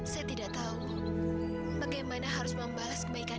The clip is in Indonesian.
saya tidak tahu bagaimana harus membalas kebaikan